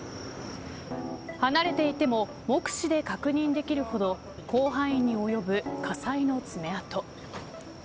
離れていても目視で確認できるほど広範囲に及ぶ火災の爪痕。